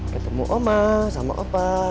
ketemu oma sama opa